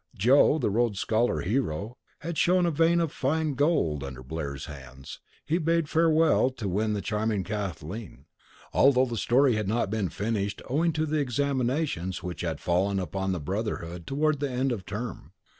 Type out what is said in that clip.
"Joe," the Rhodes Scholar hero, had shown a vein of fine gold under Blair's hands: he bade fair to win the charming Kathleen, although the story had not been finished owing to the examinations which had fallen upon the brotherhood toward the end of term.